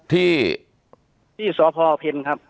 ที่สพเพ็ญครับ